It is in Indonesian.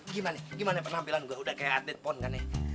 gimana gimana penampilan gua udah kayak atletpon kan ya